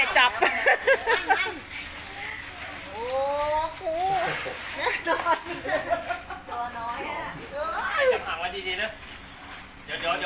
จับข้างไว้ดีนะ